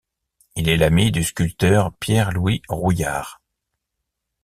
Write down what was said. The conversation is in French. Il est l'ami du sculpteur Pierre Louis Rouillard.